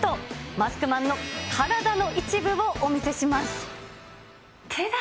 マスクマンの体の一部をお見せします。